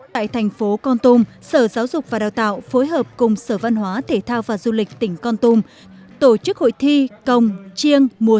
tại thành phố con tum sở giáo dục và đào tạo phối hợp cùng sở văn hóa thể thao và du lịch tỉnh con tum tổ chức hội thi công chiêng mùa